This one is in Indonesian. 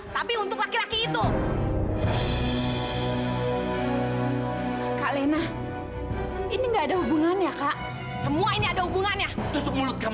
dan dia bilang dia mantan suaminya